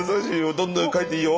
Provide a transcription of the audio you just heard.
どんどん描いていいよ。